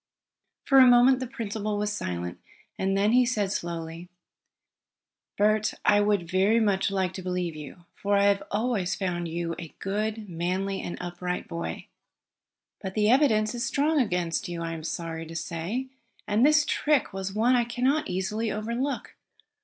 For a moment the principal was silent. Then he said slowly: "Bert, I would very much like to believe you, for I have always found you a good, manly and upright boy. But the evidence is strong against you I am sorry to say. And this trick was one I can not easily overlook.